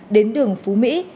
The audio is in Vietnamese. đến đường phú mỹ